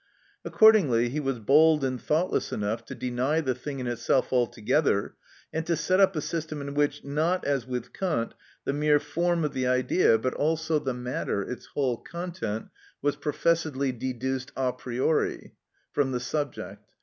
Accordingly he was bold and thoughtless enough to deny the thing in itself altogether, and to set up a system in which, not, as with Kant, the mere form of the idea, but also the matter, its whole content, was professedly deduced a priori from the subject.